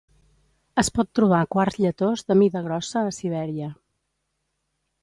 Es pot trobar quars lletós de mida grossa a Sibèria.